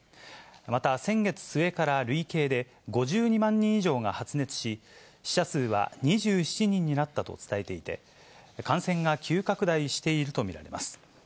また先月末から累計で５２万人以上が発熱し、死者数は２７人になったと伝えていて、感染が急拡大していると見られます。